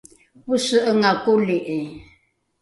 ose’enga koli’i